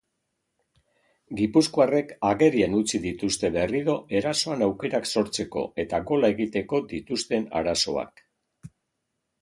Gipuzkoarrek agerian utzi dituzte berriro erasoan aukerak sortzeko eta gola egiteko dituzten arazoak.